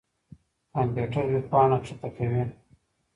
کمپيوټر وېبپاڼه کښته کوي.